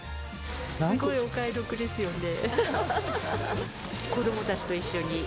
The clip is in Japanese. すごいお買い得ですよね。